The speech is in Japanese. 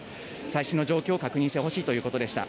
最新の状況を確認してほしいということでした。